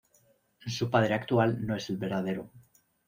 Su padre actual no es el verdadero.